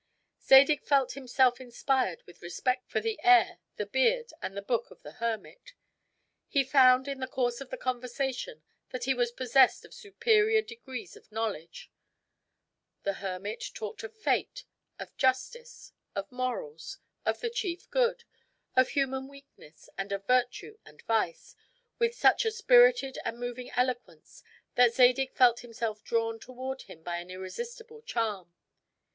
Zadig felt himself inspired with respect for the air, the beard, and the book of the hermit. He found, in the course of the conversation, that he was possessed of superior degrees of knowledge. The hermit talked of fate, of justice, of morals, of the chief good, of human weakness, and of virtue and vice, with such a spirited and moving eloquence, that Zadig felt himself drawn toward him by an irresistible charm.